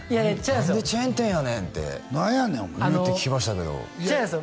「何でチェーン店やねん」って何やねんお前言うって聞きましたけど違うんですよ